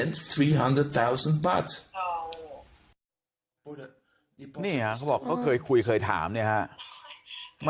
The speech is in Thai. งานค่ะมีเงินนะครับระยะฝ่นไทยเกี่ยวนะครับ